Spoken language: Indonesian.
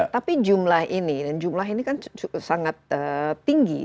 tapi jumlah ini kan sangat tinggi